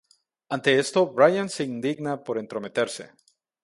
Ante esto, Brian se indigna por entrometerse.